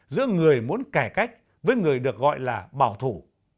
giữa người muốn cải cách với người được gọi là bảo thủ